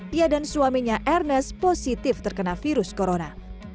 dia dan suaminya ernest positif terkena virus corona